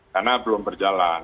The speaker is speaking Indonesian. karena belum berjalan